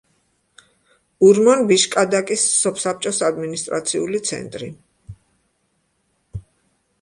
ურმან-ბიშკადაკის სოფსაბჭოს ადმინისტრაციული ცენტრი.